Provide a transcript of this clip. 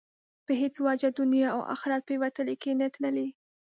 په هېڅ وجه دنیا او آخرت په یوه تله کې نه تلي.